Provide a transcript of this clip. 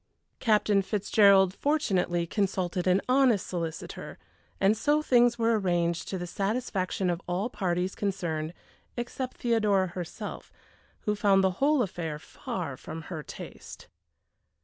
Captain Fitzgerald fortunately consulted an honest solicitor, and so things were arranged to the satisfaction of all parties concerned except Theodora herself, who found the whole affair far from her taste.